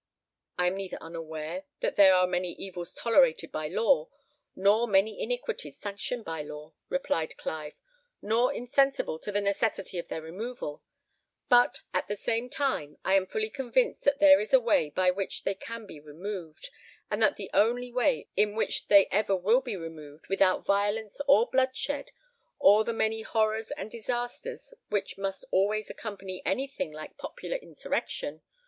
"I am neither unaware that there are many evils tolerated by law, nor many iniquities sanctioned by law," replied Clive, "nor insensible to the necessity of their removal; but at the same time, I am fully convinced that there is a way by which they can be removed and that the only way in which they ever will be removed without violence or bloodshed, or the many horrors and disasters which must always accompany anything like popular insurrection.